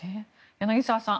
柳澤さん